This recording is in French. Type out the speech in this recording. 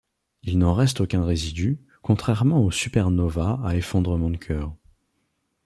Il n'en reste aucun résidu, contrairement aux supernovas à effondrement de cœur.